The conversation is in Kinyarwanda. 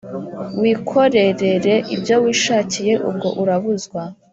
Wikorerere ibyo wishakiye ubwo urabuzwa